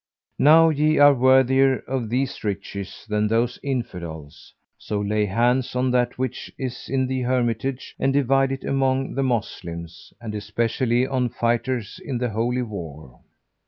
Now ye are worthier of these riches than those Infidels; so lay hands on that which is in the hermitage and divide it among the Moslems and especially on fighters in the Holy War.